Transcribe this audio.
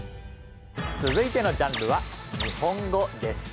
続いてのジャンルは日本語です